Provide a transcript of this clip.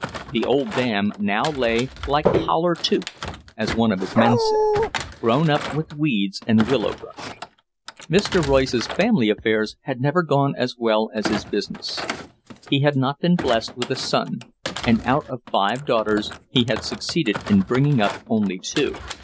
The old dam now lay "like a holler tooth," as one of his men said, grown up with weeds and willow brush. Mr. Royce's family affairs had never gone as well as his business. He had not been blessed with a son, and out of five daughters he had succeeded in bringing up only two.